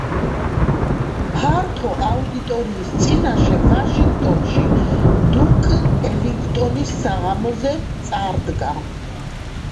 ფართო აუდიტორიის წინაშე ვაშინგტონში, დუკ ელინგტონის საღამოზე წარდგა.